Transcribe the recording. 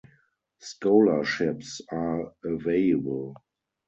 Scholarships are available.